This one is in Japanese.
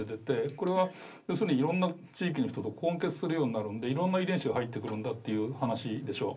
これは、要するにいろんな地域の人と混血するようになるんでいろんな遺伝子が入ってくるんだっていう話でしょ。